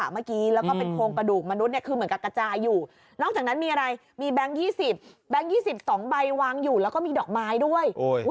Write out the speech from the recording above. มีแบงค์๒๒ใบวางอยู่แล้วก็มีดอกไม้ด้วย